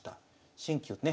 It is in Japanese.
新旧ね